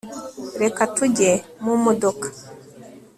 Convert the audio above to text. reka tujye mumodoka